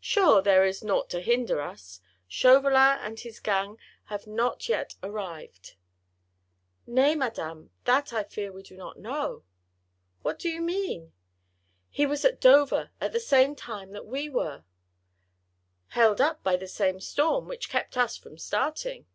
Sure! there is naught to hinder us. Chauvelin and his gang have not yet arrived." "Nay, madam! that I fear we do not know." "What do you mean?" "He was at Dover at the same time that we were." "Held up by the same storm, which kept us from starting."